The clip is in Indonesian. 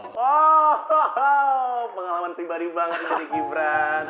oh pengalaman pribadi banget nih gibran